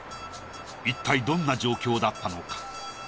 いったいどんな状況だったのか？